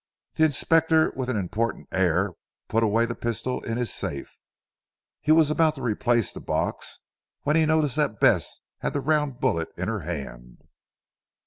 The Inspector with an important air put away the pistol in his safe. He was about to replace the box, when he noticed that Bess had the round bullet in her hand.